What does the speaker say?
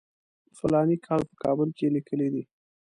په فلاني کال کې په کابل کې لیکلی دی.